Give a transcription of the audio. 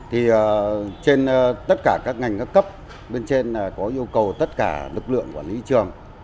trên tất cả các ngành cấp cấp bên trên có yêu cầu tất cả lực lượng quản lý trường